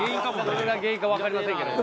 それが原因かわかりませんけどね。